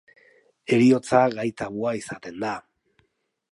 Heriotza gai tabua izaten da.